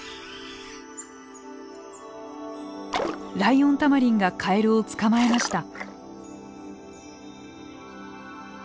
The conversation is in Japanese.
ライオンタマリンがカエルを捕まえました。